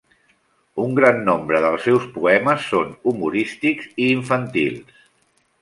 Un gran nombre dels seus poemes són humorístics i infantils.